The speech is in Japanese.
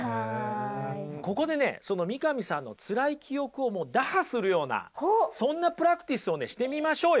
ここでねその三上さんのつらい記憶をもう打破するようなそんなプラクティスをねしてみましょうよ。